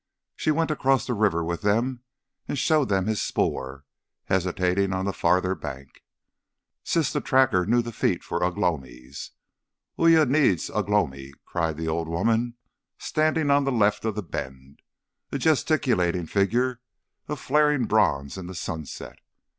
She went across the river with them and showed them his spoor hesitating on the farther bank. Siss the Tracker knew the feet for Ugh lomi's. "Uya needs Ugh lomi," cried the old woman, standing on the left of the bend, a gesticulating figure of flaring bronze in the sunset.